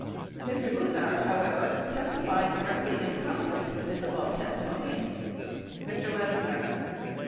1 Mr. Buzhardt, however, testified directly in conflict with the above testimony : Mr. Lexzner.